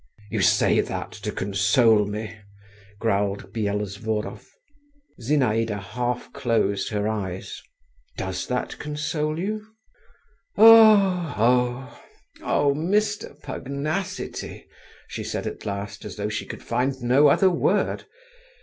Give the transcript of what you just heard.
"You say that to console me," growled Byelovzorov. Zinaïda half closed her eyes. "Does that console you? O … O … O … Mr. Pugnacity!" she said at last, as though she could find no other word.